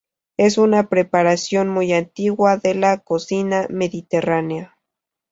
Es una preparación muy antigua de la cocina mediterránea.